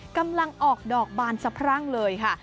กำลังออกดอกบานสะพรั่งเลยค่ะ